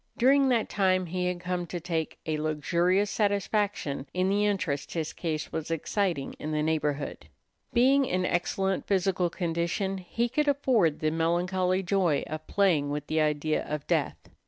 During that time he had come to take a luxurious satisfaction in the interest his case was exciting in the neighborhood. Being in excellent physical condition, he could afford the melancholy joy of playing with the idea of death.